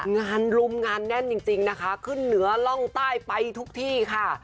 งานรุมงานแน่นจริงนะคะขึ้นเหนือร่องใต้ไปทุกที่ค่ะ